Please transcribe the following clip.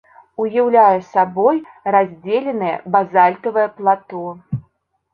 Уяўляе сабой раздзеленае базальтавае плато.